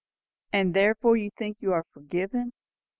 "And therefore you think you are forgiven?"